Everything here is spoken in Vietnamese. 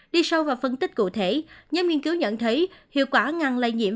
đi sâu vào phân tích cụ thể nhóm nghiên cứu nhận thấy hiệu quả ngăn lây nhiễm